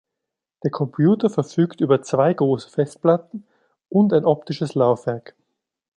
Der Computer verfügt über zwei große Festplatten und ein optisches Laufwerk.